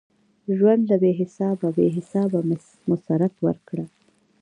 ژونده بی حسابه ؛ بی حسابه مسرت ورکړه